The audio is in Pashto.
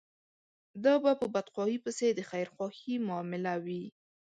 دا به په بدخواهي پسې د خيرخواهي معامله وي.